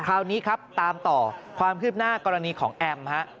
คราวนี้ครับตามต่อความคืบหน้ากรณีของแอมฮะ